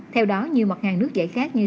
theo đó nhiều mặt hàng nước giải khác như